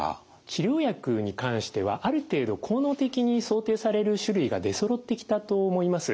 治療薬に関してはある程度効能的に想定される種類が出そろってきたと思います。